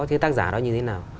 cái tác giả đó như thế nào